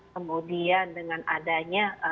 kemudian dengan adanya transmisi lokal